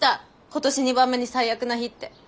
「今年二番目に最悪な日」って。